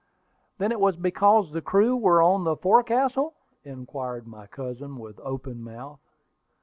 "Then it was because the crew were on the forecastle?" inquired my cousin, with open mouth.